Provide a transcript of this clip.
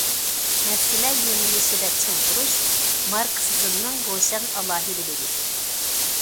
مەسىلە يۆنىلىشىدە چىڭ تۇرۇش ماركسىزمنىڭ روشەن ئالاھىدىلىكى.